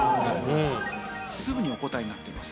すぐにお答えになっています。